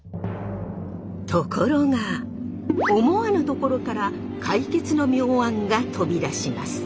ところが思わぬところから解決の妙案が飛び出します。